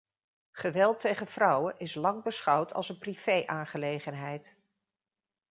Geweld tegen vrouwen is lang beschouwd als een privé-aangelegenheid.